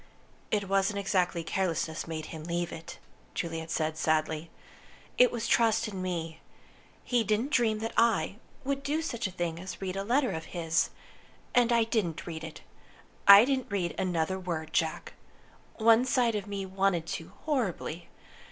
"It wasn't exactly carelessness made him leave it," Juliet said, sadly. "It was trust in me. He didn't dream that I would do such a thing as read a letter of his. And I didn't read it. I didn't read another word, Jack. One side of me wanted to, horribly.